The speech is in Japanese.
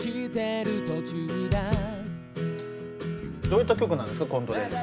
どういった曲なんですか？